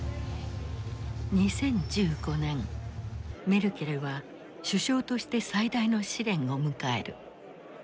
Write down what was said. メルケルは首相として最大の試練を迎える。